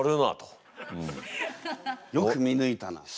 よく見ぬいたなと。